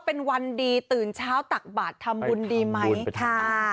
เป็นวันดีตื่นเช้าตักบาททำบุญดีไหมค่ะอ่า